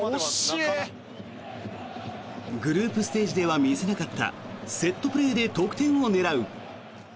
グループステージでは見せなかったセットプレーで得点を狙う。